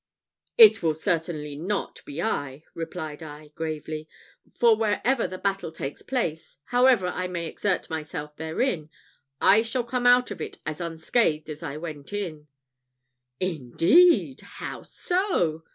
"It will certainly not be I," replied I, gravely; "for wherever the battle takes place, however I may exert myself therein, I shall come out of it as unscathed as I went in." "Indeed! how so?"